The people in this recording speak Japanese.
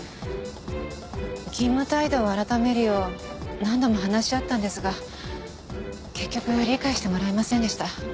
勤務態度を改めるよう何度も話し合ったんですが結局理解してもらえませんでした。